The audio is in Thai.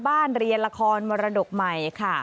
เรียนละครมรดกใหม่ค่ะ